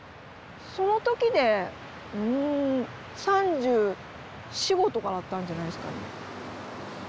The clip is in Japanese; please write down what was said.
その時でうん３４３５とかだったんじゃないですかね。